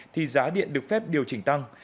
thì giá điện được phép điều chỉnh tăng